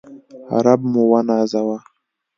رب موونازوه